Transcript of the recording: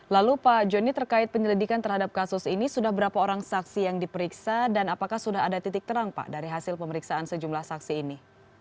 lalu pak joni terkait penyelidikan terhadap kasus ini sudah berapa orang saksi yang diperiksa dan apakah sudah ada titik terang pak dari hasil pemeriksaan sejumlah saksi ini